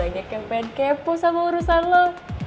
banyak yang pengen kepo sama urusan lo